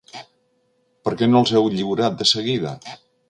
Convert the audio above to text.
Per què no els heu lliurat de seguida?